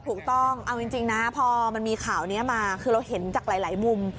ถูกต้องเอาจริงนะพอมันมีข่าวนี้มาคือเราเห็นจากหลายมุม